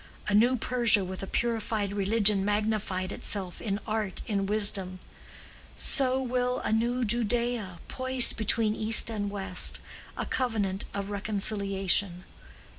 A new Persia with a purified religion magnified itself in art and wisdom. So will a new Judea, poised between East and West—a covenant of reconciliation.